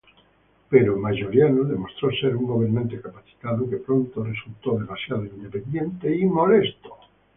Pero Mayoriano demostró ser un gobernante capacitado que pronto resultó demasiado independiente y molesto.